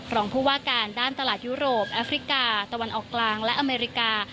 รองผู้ว่าการด้านตลาดยุโรปแอฟริกาตะวันออกกลางและอเมริกา